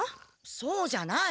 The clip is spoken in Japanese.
そうじゃない。